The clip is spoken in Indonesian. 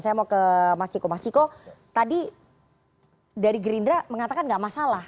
saya mau ke mas chiko mas chiko tadi dari gerindra mengatakan gak masalah